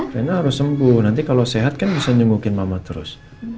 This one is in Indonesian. reina harus sembuh nanti kalo sehat kan bisa nyembuhin mama terus